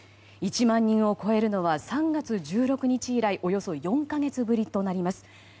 １万人を超えるのは３月１６日以来およそ４か月ぶりとなります。